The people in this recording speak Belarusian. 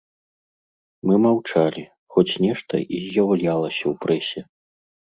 Мы маўчалі, хоць нешта і з'яўлялася ў прэсе.